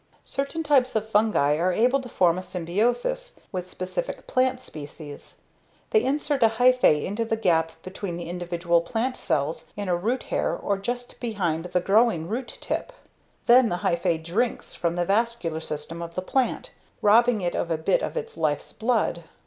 Certain types of fungi are able to form a symbiosis with specific plant species. They insert a hyphae into the gap between individual plant cells in a root hair or just behind the growing root tip. Then the hyphae "drinks" from the vascular system of the plant, robbing it of a bit of its life's blood.